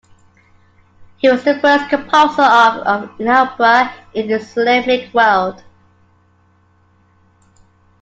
He was the first composer of an opera in the Islamic world.